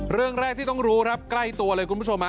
เรื่องแรกที่ต้องรู้ครับใกล้ตัวเลยคุณผู้ชม